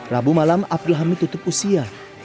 rabu malam abdul hamid tutup usia